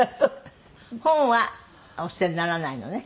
本はお捨てにならないのね？